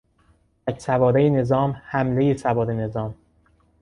تک سواره نظام، حملهی سواره نظام